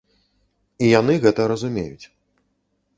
І яны гэта разумеюць.